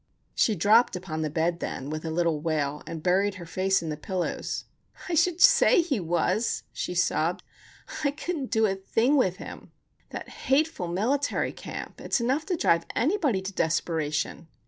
She dropped upon the bed then, with a little wail, and buried her face in the pillows. "I should say he was," she sobbed. "I couldn't do a thing with him. That hateful military camp! It's enough to drive anybody to desperation!"